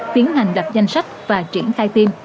tiến hành đặt danh sách